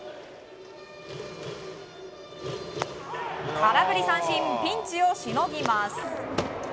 空振り三振ピンチをしのぎます。